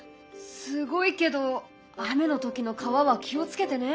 すごいけど雨の時の川は気を付けてね。